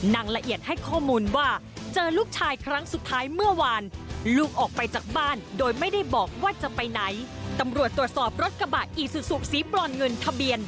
มีสุดสูบสีปร่อนเงินทะเบียน